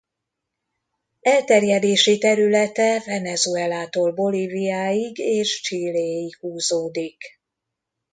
Elterjedési területe Venezuelától Bolíviáig és Chiléig húzódik.